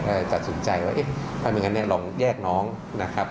ก็เลยตัดสินใจว่าเอ๊ะถ้าไม่งั้นเนี่ยลองแยกน้องนะครับ